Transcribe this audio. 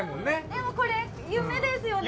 でもこれ夢ですよ。